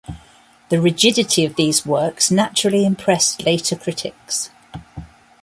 The rigidity of these works naturally impressed later critics.